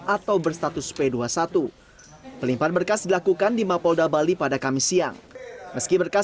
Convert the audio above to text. atau berstatus p dua puluh satu pelimpan berkas dilakukan di mapolda bali pada kamis siang meski berkas